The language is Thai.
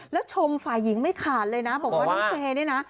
แล้วชมฝ่ายหญิงไม่ขาดเลยนะบอกว่าน้องเฟย์เนี่ยนะ